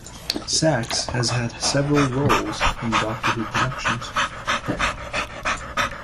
Sachs has had several roles in "Doctor Who" productions.